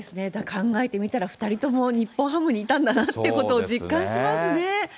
考えてみたら、２人とも日本ハムにいたんだなということを実感しますね。